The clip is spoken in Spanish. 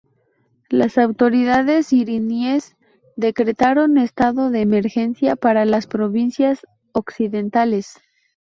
Las autoridades iraníes decretaron estado de emergencia para las provincias occidentales.